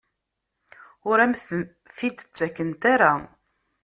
Ur am-t-id-ttakent ara?